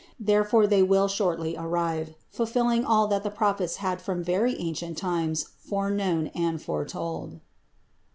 Therefore they will shortly arrive, fulfilling all that the Prophets had from very ancient times foreknown and foretold."